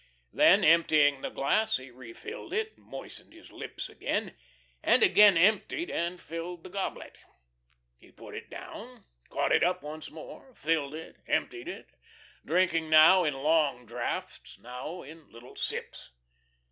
Then emptying the glass he refilled it, moistened his lips again, and again emptied and filled the goblet. He put it down, caught it up once more, filled it, emptied it, drinking now in long draughts, now in little sips.